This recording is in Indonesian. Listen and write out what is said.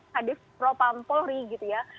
hadith pro pampolri gitu ya